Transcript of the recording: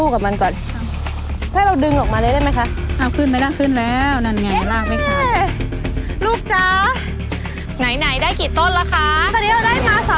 น้องเอิ้นค่ะนนี่เราได้สองลุมแล้วนะคะประมานหกอันอันนี้อันที่เจ็ดอ่ะ